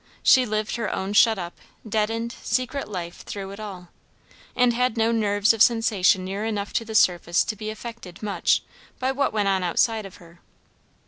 She lived her own shut up, deadened, secret life through it all, and had no nerves of sensation near enough to the surface to be affected much by what went on outside of her.